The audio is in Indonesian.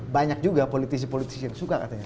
banyak juga politisi politisi yang suka katanya